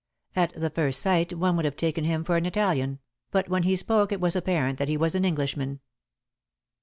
At the first sight one would have taken him for an Italian, but when he spoke it was apparent that he was an Englishman.